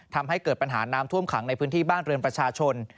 ทำให้เกิดปัญหาน้ำท่วมขังในพื้นที่บ้านเรือนประชาชน